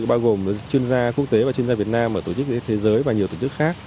bao gồm chuyên gia quốc tế và chuyên gia việt nam và tổ chức thế giới và nhiều tổ chức khác